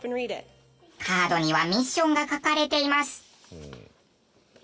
カードにはミッションが書かれています。